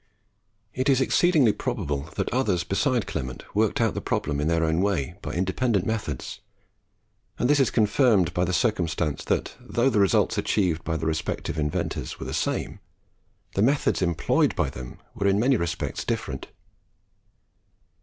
It is exceedingly probable that others besides Clement worked out the problem in their own way, by independent methods; and this is confirmed by the circumstance that though the results achieved by the respective inventors were the same, the methods employed by them were in many respects different.